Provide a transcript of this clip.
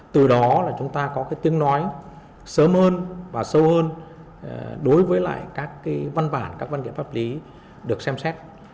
từ đó là chúng ta có cái tiếng nói sớm hơn và sâu hơn đối với lại các cái văn bản các văn kiện pháp lý được xem xét